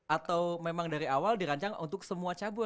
atau memang dari awal dirancang untuk semua cabur